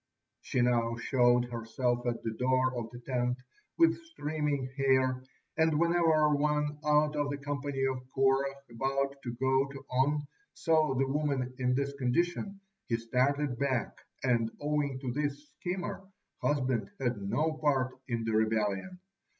She now showed herself at the door of the tent with streaming hair, and whenever one out of the company of Korah, about to go to On, saw the woman in this condition, he started back, and owing to this schemer husband had no part in the rebellion.